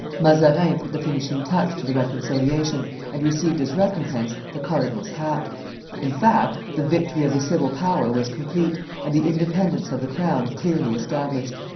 Mazarin put the finishing touch to the reconciliation, and received as recompense the cardinal's hat. In fact, the victory of the civil power was complete, and the independence of the crown clearly established.